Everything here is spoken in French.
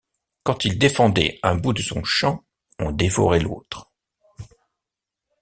Quand il défendait un bout de son champ, on dévorait l’autre.